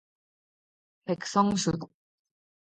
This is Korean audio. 백성수